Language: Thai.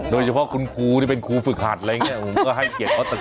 โดยเฉพาะคุณครูคุณคุณที่ฝึกหัสผมก็ให้เกียรติเค้าต่ำ